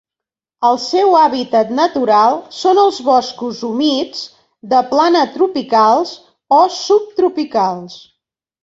El seu hàbitat natural són els boscos humits de plana tropicals o subtropicals.